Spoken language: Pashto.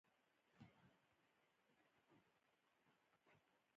زه د سندرې تمرین کوم.